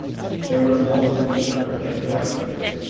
There was a multitude of queer things there.